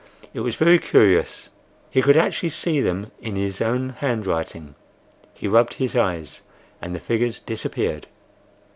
It was very curious. He could actually see them in his own handwriting. He rubbed his eyes, and the figures disappeared.